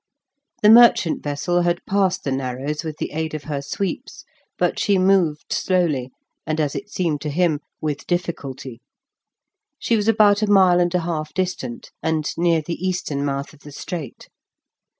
The merchant vessel had passed the narrows with the aid of her sweeps, but she moved slowly, and, as it seemed to him, with difficulty. She was about a mile and a half distant, and near the eastern mouth of the strait.